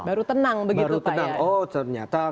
baru tenang begitu pak ya